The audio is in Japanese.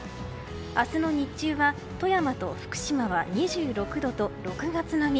明日の日中は富山と福島は２６度と６月並み。